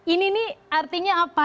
ini nih artinya apa